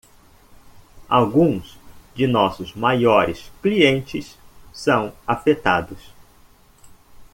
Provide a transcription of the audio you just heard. Alguns de nossos maiores clientes são afetados.